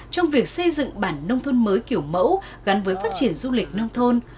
trong việc xây dựng bản nông thôn mới kiểu mẫu gắn với phát triển du lịch nông thôn